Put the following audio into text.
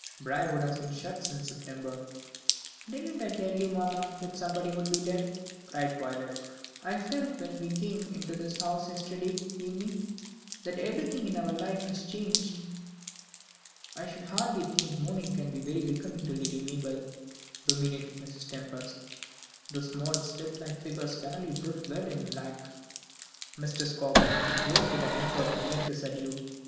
Briarwood has been shut up since September." "Didn't I tell you, mamma, that somebody would be dead," cried Violet. "I felt when we came into this house yesterday evening, that everything in our lives was changed." "I should hardly think mourning can be very becoming to Lady Mabel," ruminated Mrs. Tempest. "Those small sylph like figures rarely look well in black." Mr. Scobel rose with an effort to make his adieux.